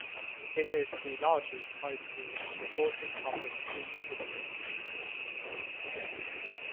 It is the largest high school in the Portland Public Schools district.